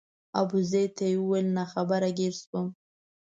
ابوزید ته وویل ناخبره ګیر شوم.